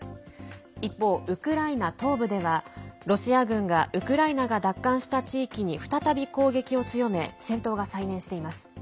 一方、ウクライナ東部ではロシア軍がウクライナが奪還した地域に再び攻撃を強め戦闘が再燃しています。